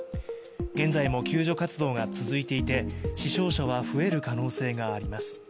現在も救助活動が続いて、死傷者は増える可能性があります。